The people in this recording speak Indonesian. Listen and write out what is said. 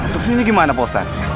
terus ini gimana ustadz